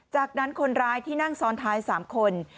จากนั้นคนร้ายที่นั่งซ้อนท้าย๓คน